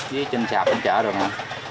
với trên sạp trên chợ rồi nè